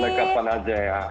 iya boleh kapan aja ya